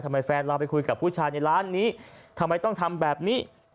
แฟนเราไปคุยกับผู้ชายในร้านนี้ทำไมต้องทำแบบนี้